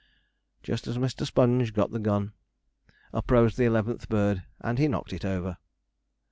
Just as Mr. Sponge got the gun, up rose the eleventh bird, and he knocked it over.